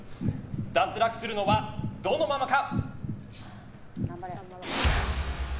脱落するのはどのママか？